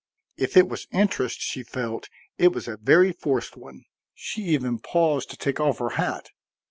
If it was interest she felt it was a very forced one. She even paused to take off her hat.